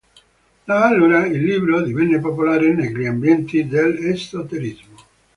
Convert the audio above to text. Da allora il libro divenne popolare negli ambienti dell'esoterismo.